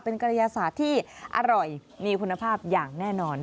เป็นกระยาศาสตร์ที่อร่อยมีคุณภาพอย่างแน่นอน